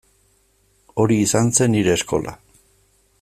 Hori izan zen nire eskola.